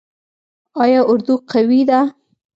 آیا اردو قوي ده؟